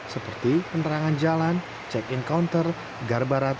seperti penerangan jalan check in counter garbarat